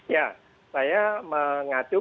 ya saya mengatuh